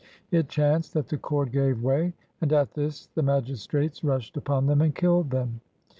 It chanced that the cord gave way; and at this the magis trates rushed upon them and killed them.